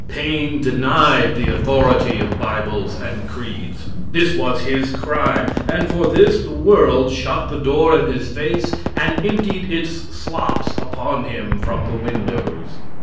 Paine denied the authority of Bibles and creeds; this was his crime, and for this the world shut the door in his face and emptied its slops upon him from the windows.